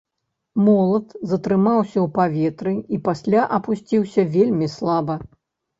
Молат затрымаўся ў паветры і пасля апусціўся вельмі слаба.